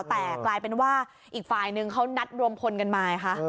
แต่กลายเป็นว่าอีกฝ่ายนึงเขานัดรวมพลกันมาไงคะ